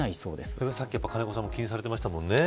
これは金子さんも気にされていましたものね。